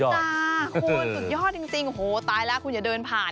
ไม่ธรรมดาโอ้โหสุดยอดจริงโอ้โหตายแล้วคุณอย่าเดินผ่าน